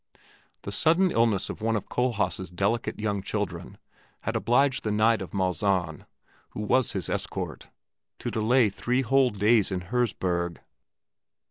The sudden illness of one of Kohlhaas' delicate young children had obliged the Knight of Malzahn, who was his escort, to delay three whole days in Herzberg.